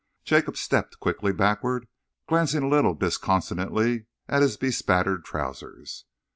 Jacob stepped quickly backwards, glancing a little disconsolately at his bespattered trousers.